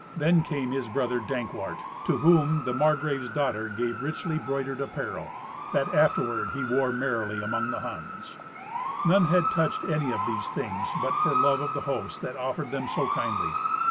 Then came his brother Dankwart, to whom the Margrave's daughter gave richly broidered apparel, that afterward he wore merrily among the Huns. None had touched any of these things but for love of the host that offered them so kindly.